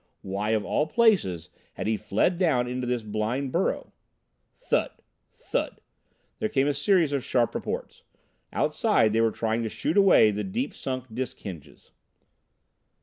Why, of all places, had he fled down into this blind burrow? Thud, thud! Then came a series of sharp reports. Outside, they were trying to shoot away the deep sunk disk hinges.